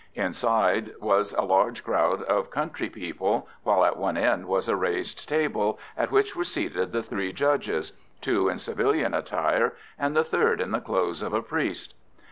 Inside there was a large crowd of country people, while at one end was a raised table, at which were seated the three judges—two in civilian attire, and the third in the clothes of a priest.